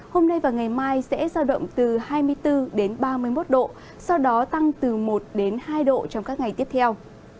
hôm nay và ngày mai sẽ giao động từ hai mươi bốn đến ba mươi một độ sau đó tăng từ một đến hai độ trong các ngày tiếp theo